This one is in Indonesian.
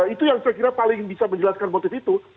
itu yang saya kira paling bisa menjelaskan motif itu